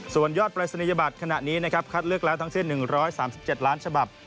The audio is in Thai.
ส่วนยอดปรายศนียบัตรขณะนี้นะครับคัดเลือกแล้วทั้งสิ้น๑๓๗ล้านฉบับ